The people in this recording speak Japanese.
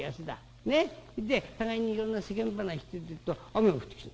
で互いにいろんな世間話してるってえと雨が降ってきた。